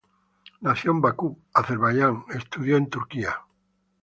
Nacido en Bakú, Azerbaiyán, estudió en Turquía.